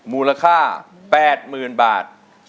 มูลค่า๘๐๐๐บาท